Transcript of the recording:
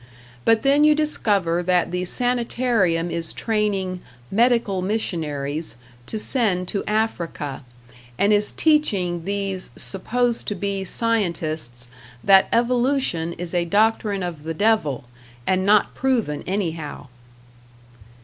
But then you discover that the Sanitarium is training "medical missionaries" to send to Africa, and is teaching these supposed to be scientists that evolution is a doctrine of the devil, and not proven anyhow!